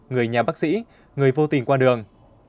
người nhà bác sĩ người vô tình qua đường